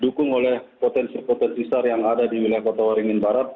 didukung oleh potensi potensi sar yang ada di wilayah kota waringin barat